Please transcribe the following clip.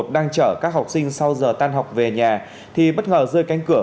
đang chở các học sinh sau giờ tan học về nhà thì bất ngờ rơi cánh cửa